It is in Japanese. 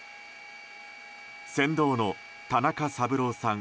船頭の田中三郎さん